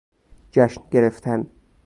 جشن گرفتن